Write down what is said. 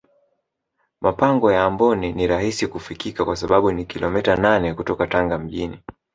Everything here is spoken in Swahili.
mapango ya amboni ni rahisi kufikika kwa sababu ni kilomita nane kutoka tanga mjini